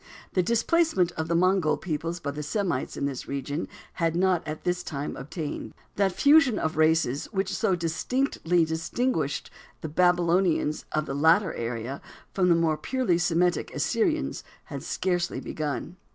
The displacement of the Mongol peoples by the Semites in this region had not at this time obtained. That fusion of races which so distinctly distinguished the Babylonians of the later era from the more purely Semitic Assyrians had scarcely begun.